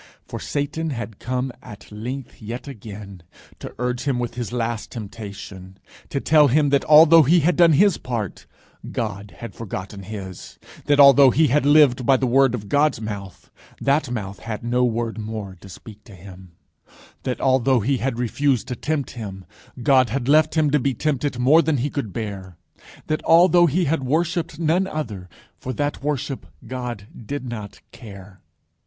For Satan had come at length yet again, to urge him with his last temptation; to tell him that although he had done his part, God had forgotten his; that although he had lived by the word of his mouth, that mouth had no word more to speak to him; that although he had refused to tempt him, God had left him to be tempted more than he could bear; that although he had worshipped none other, for that worship God did not care.